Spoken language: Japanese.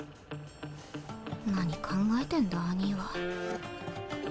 何考えてんだ兄ィは。